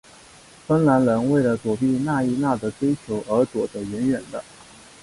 芬兰人为了躲避纳伊娜的追求而躲得远远的。